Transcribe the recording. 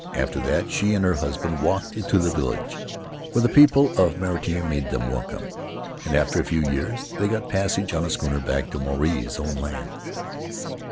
After that she and her husband walked to the village, where the people of Manitia made them welcome; and after a few years they got passage on a schooner back to Maruae's own land."